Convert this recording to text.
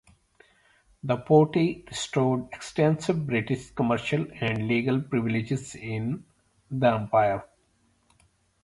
The Porte restored extensive British commercial and legal privileges in the empire.